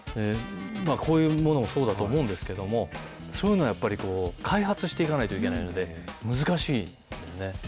こういうものもそうだと思うんですけど、そういうのはやっぱり、開発していかないといけないので、難しいんですよね。